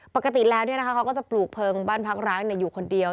ปกติแล้วเนี่ยนะคะเขาก็จะปลูกเพิงบ้านพักร้านอยู่คนเดียว